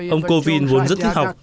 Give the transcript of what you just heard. ông kovind vốn rất thích học